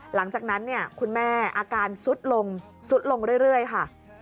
หลังจากนั้นคุณแม่อาการสุดลงซุดลงเรื่อยค่ะ